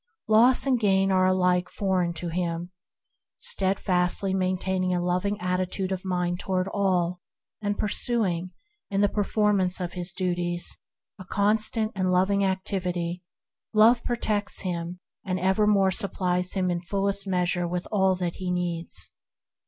Loss and gain are alike foreign to him. Stead fastly maintaining a loving attitude of mind toward all, and pursuing in the performance of his labors a constant and loving activity, Love protects him and evermore supplies PERFECT LOVE 133 him in fullest measure with all that he needs.